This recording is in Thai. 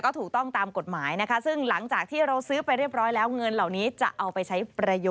ผมก็เอาเช็ดหน้าจริงแล้วเนี่ย